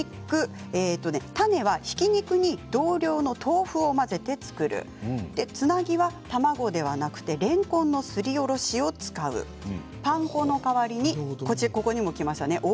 タネは、ひき肉に同量の豆腐を混ぜて作るつなぎは卵ではなくてれんこんのすりおろしを使うパン粉の代わりにここでもきましたね